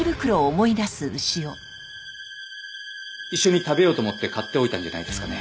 一緒に食べようと思って買っておいたんじゃないですかね？